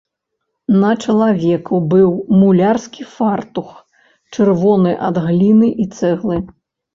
На чалавеку быў мулярскі фартух, чырвоны ад гліны і цэглы.